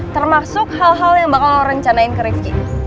termasuk hal hal yang bakal rencanain ke rifki